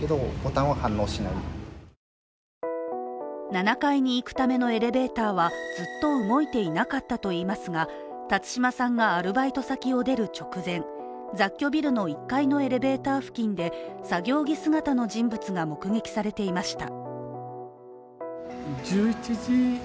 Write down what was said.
７階に行くためのエレベーターはずっと動いていなかったといいますが辰島さんがアルバイト先を出る直前、雑居ビルの１階のエレベーター付近で作業着姿の人物が目撃されていました。